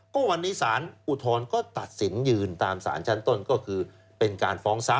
ก็วันนี้สารอุทธรณ์ก็ตัดสินยืนตามสารชั้นต้นก็คือเป็นการฟ้องทรัพ